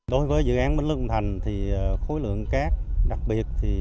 đối với dự án bến lước lông thành thì khối lượng cát đặc biệt